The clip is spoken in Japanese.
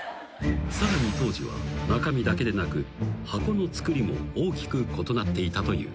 ［さらに当時は中身だけでなく箱の造りも大きく異なっていたという］